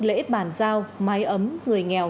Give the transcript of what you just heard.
lễ bàn giao mái ấm người nghèo